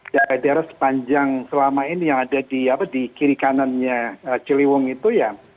daerah daerah sepanjang selama ini yang ada di kiri kanannya ciliwung itu ya